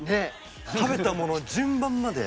食べたものの順番まで。